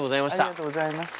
ありがとうございます。